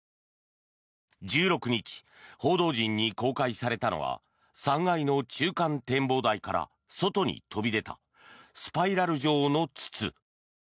１６日、報道陣に公開されたのは３階の中間展望台から外に飛び出たスパイラル状の筒。